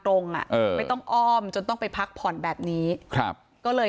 ตรงอ่ะเออไม่ต้องอ้อมจนต้องไปพักผ่อนแบบนี้ครับก็เลย